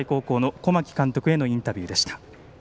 京都国際高校の小牧監督へのインタビューでした。